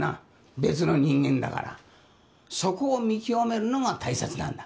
別の人間だからそこを見極めるのが大切なんだ